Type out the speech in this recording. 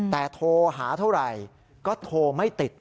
แต่โทรหาเท่าไหร่ก็โทรไม่ติด